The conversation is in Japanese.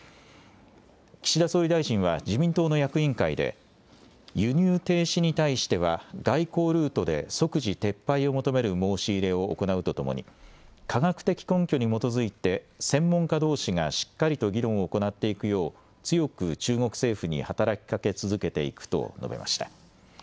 岸田総理大臣は自民党の役員会で、輸入停止に対しては、外交ルートで即時撤廃を求める申し入れを行うとともに、科学的根拠に基づいて専門家どうしがしっかりと議論を行っていくよう、強く中国政府に働きかけ続けていくと述べました。